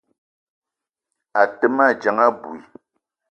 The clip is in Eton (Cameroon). A te ma dzeng abui.